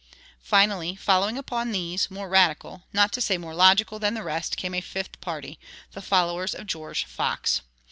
Finally, following upon these, more radical, not to say more logical, than the rest, came a fifth party, the followers of George Fox.